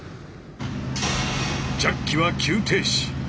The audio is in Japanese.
ジャッキは急停止。